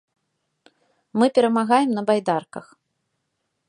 Мы перамагаем на байдарках.